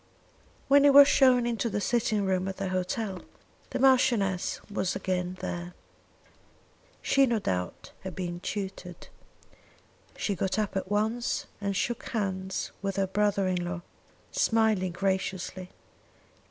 When he was shown into the sitting room at the hotel, the Marchioness was again there. She, no doubt, had been tutored. She got up at once and shook hands with her brother in law, smiling graciously.